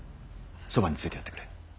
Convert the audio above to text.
そばについてやってくれ。